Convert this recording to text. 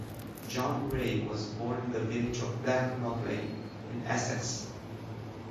John Ray was born in the village of Black Notley in Essex.